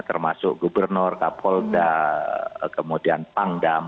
termasuk gubernur kapolda kemudian pangdam